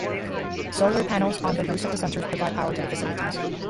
Solar panels on the roofs of the centres provide power to the facilities.